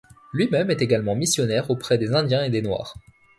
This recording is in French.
Lui-même est également missionnaire auprès des Indiens et des Noirs.